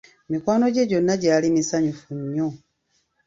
Mikwano gye gyonna gyali misanyufu nnyo.